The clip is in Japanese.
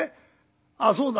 あっそうだ。